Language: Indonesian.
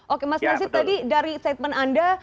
oke mas nasib tadi dari statement anda